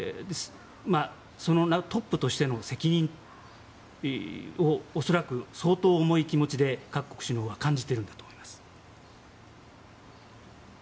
そのトップとしての責任を恐らく相当、重い気持ちで各国首脳は感じているんだと思います。